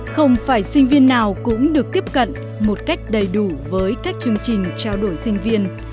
không phải sinh viên nào cũng được tiếp cận một cách đầy đủ với các chương trình trao đổi sinh viên